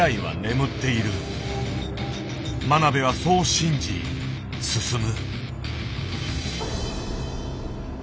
真鍋はそう信じ進む。